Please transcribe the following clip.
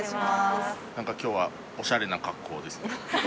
何か今日はおしゃれな格好ですね